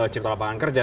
cipta lapangan kerja